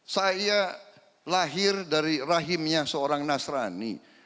saya lahir dari rahimnya seorang nasrani